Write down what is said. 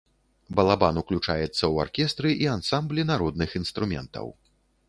Балабан ўключаецца ў аркестры і ансамблі народных інструментаў.